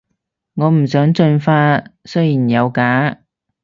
我唔想進化，雖然有假